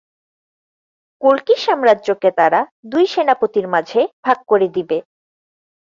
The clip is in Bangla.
কল্কি সাম্রাজ্যকে তার দুই সেনাপতির মাঝে ভাগ করে দিবে।